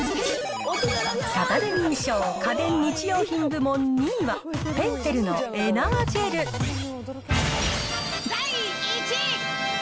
サタデミー賞、家電・日用品部門２位は、ぺんてるのエナージ第１位。